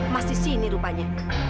mas di sini rupanya